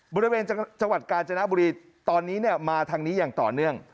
บริเวณจังหวัดกาญจนบุรีตอนนี้มาทางนี้อย่างต่อเนื่อง